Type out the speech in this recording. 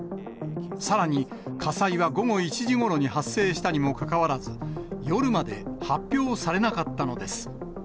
さらに、火災は午後１時ごろに発生したにもかかわらず、夜まで発表されなかったのです。